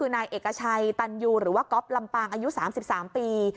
นายเอกชัยตันยูหรือว่าก๊อฟลำปางอายุ๓๓ปี